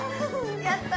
やった！